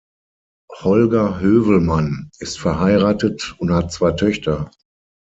Holger Hövelmann ist verheiratet und hat zwei Töchter.